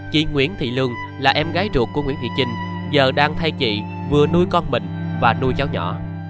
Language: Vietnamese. chị nguyễn thị lương là em gái ruột của nguyễn thị trình giờ đang thay chị vừa nuôi con mình và nuôi cháu nhỏ